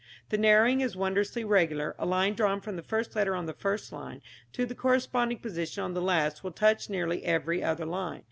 The narrowing is wondrously regular, a line drawn from the first letter on the first line to the corresponding position on the last will touch nearly every other line.